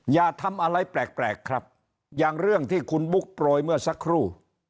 อย่าทำอะไรแปลกครับอย่างเรื่องที่คุณบุ๊กโปรยเมื่อสักครู่